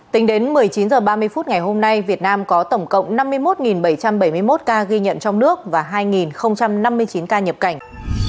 tính đến một mươi chín h ba mươi phút ngày hôm nay việt nam có tổng cộng năm mươi một bảy trăm bảy mươi một ca ghi nhận trong nước và hai năm mươi chín ca nhập cảnh